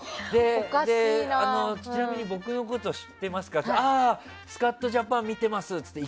ちなみに僕のことを知ってますか？と聞いたらああ、「スカッとジャパン」見てます！って。